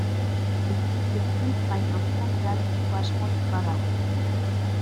Txikitik ekin baina handian eragiteko asmorik badago.